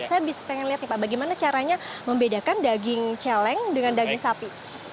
saya pengen lihat nih pak bagaimana caranya membedakan daging celeng dengan daging sapi